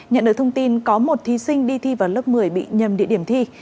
nhận được thông tin có một thí sinh đi thi vào lớp một mươi bị nhầm địa điểm thi